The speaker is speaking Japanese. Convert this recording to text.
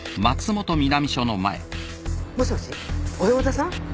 もしもし小山田さん？